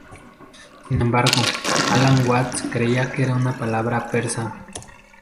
Sin embargo, Alan Watts creía que era una palabra persa.